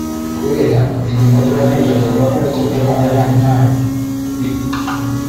Kubera igikorwa yakundaga gukora cyo guha abana impano